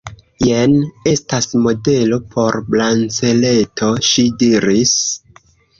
Jen estas modelo por braceleto, ŝi diris.